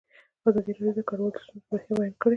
ازادي راډیو د کډوال د ستونزو رېښه بیان کړې.